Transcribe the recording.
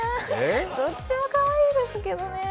どっちもかわいいですけどね。